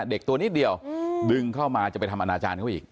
ตัวนิดเดียวดึงเข้ามาจะไปทำอนาจารย์เขาอีก